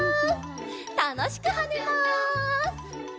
たのしくはねます。